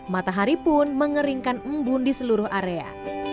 matahari pun mengeringkan embun di seluruh area